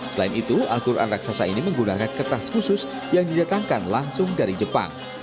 selain itu al quran raksasa ini menggunakan kertas khusus yang didatangkan langsung dari jepang